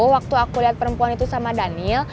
waktu aku lihat perempuan itu sama daniel